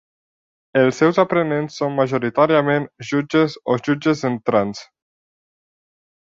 Els seus aprenents són majoritàriament jutges o jutges entrants.